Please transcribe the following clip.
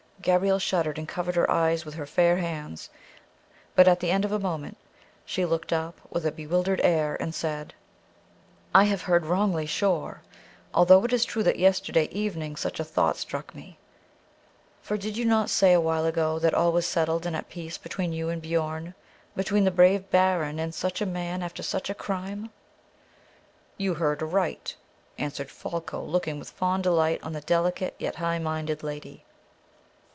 Gabrielle shuddered and covered her eyes with her fair hands; but at the end of a moment she looked up with a bewildered air, and said: "I have heard wrong surely, although it is true that yesterday evening such a thought struck me. For did not you say awhile ago that all was settled and at peace between you and Biorn? Between the brave baron and such a man after such a crime?" "You heard aright," answered Folko, looking with fond delight on the delicate yet high minded lady.